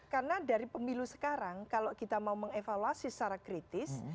karena dari pemilu sekarang kalau kita mau mengevaluasi secara kritis